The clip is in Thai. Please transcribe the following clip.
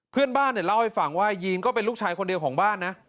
เพื่อนบ้านเนี่ยเล่าให้ฟังว่ายีนก็เป็นลูกชายคนเดียวของบ้านนะ